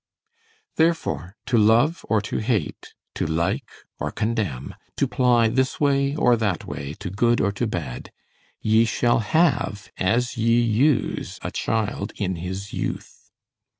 Therefore, to love or to hate, to like or contemn, to ply this way or that way to good or to bad, ye shall have as ye use a child in his youth.